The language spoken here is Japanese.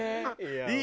いい？